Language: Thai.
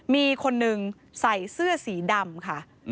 มีคนนึงใส่เสื้อสีดำค่ะ